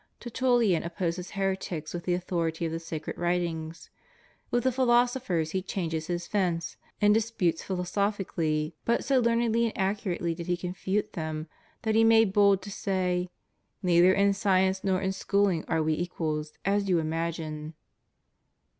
Tertullian opposes heretics with the authority of the sacred writings; with the philosophers he changes his fence and disputes philosophically; but so learnedly and accurately did he confute them that he made bold to say, "Neither in science nor in schooling are we equals, as you imagine."